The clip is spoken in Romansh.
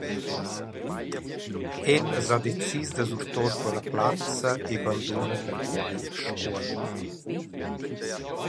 El s’ha decis da surtour quella plazza e banduna perquai Scuol.